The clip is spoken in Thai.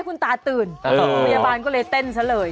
คุณตาตื่นพยาบาลก็เลยเต้นซะเลย